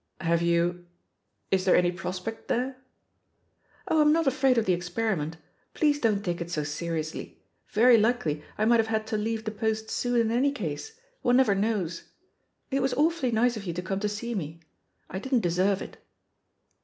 "Have you — ^is there any prospect there?" "Oh, I'm not afraid of the experiment. Please don't take it so seriously; very likely I might have had to leave The Post soon, in any case — one never knows. It was awfully nice of you to come to see me — I didn't deserve it."